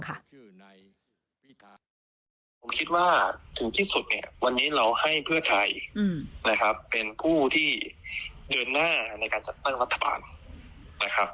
ผมคิดว่าถึงที่สุดเราให้เพื่อทายเป็นผู้ที่เดินหน้าในการจัดตั้งรัฐบาล